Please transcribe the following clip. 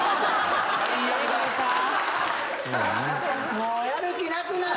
もうやる気なくなる。